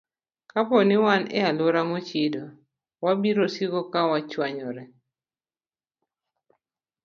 Kapo ni wan e alwora mochido, wabiro siko ka wach wanyore.